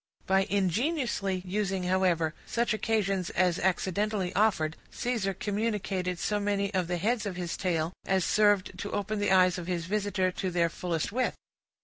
By ingeniously using, however, such occasions as accidentally offered, Caesar communicated so many of the heads of his tale, as served to open the eyes of his visitor to their fullest width.